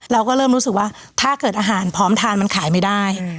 เราก็เริ่มรู้สึกว่าถ้าเกิดอาหารพร้อมทานมันขายไม่ได้